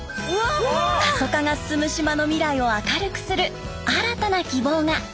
過疎化が進む島の未来を明るくする新たな希望が！